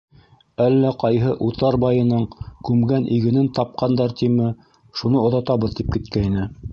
— Әллә ҡайһы утар байының күмгән игенен тапҡандар тиме, шуны оҙатабыҙ тип киткәйне.